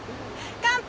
乾杯！